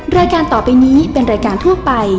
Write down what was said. รายการต่อไปนี้เป็นรายการทั่วไป